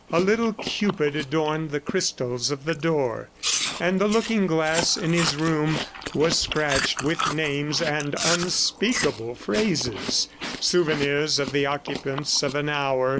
A little Cupid adorned the crystals of the door, and the looking glass in his room was scratched with names and unspeakable phrases souvenirs of the occupants of an hour